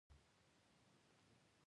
د کوفمان د لیک ځواب ورکړي.